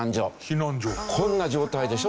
こんな状態でしょ。